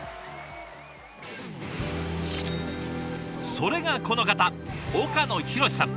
それがこの方岡野寛さん。